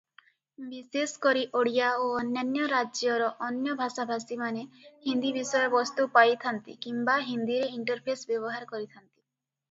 ବିଶେଷକରି ଓଡ଼ିଶା ଓ ଅନ୍ୟାନ୍ୟ ରାଜ୍ୟର ଅନ୍ୟ ଭାଷାଭାଷୀମାନେ ହିନ୍ଦୀ ବିଷୟବସ୍ତୁ ପାଇଥାନ୍ତି କିମ୍ବା ହିନ୍ଦୀରେ ଇଣ୍ଟରଫେସ୍ ବ୍ୟବହାର କରିଥାନ୍ତି ।